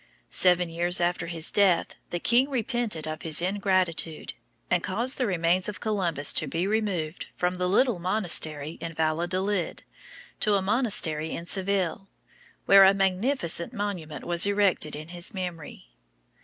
Seven years after his death the king repented of his ingratitude, and caused the remains of Columbus to be removed from the little monastery in Valladolid to a monastery in Seville, where a magnificent monument was erected to his memory.